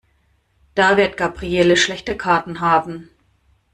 Da wird Gabriele schlechte Karten haben.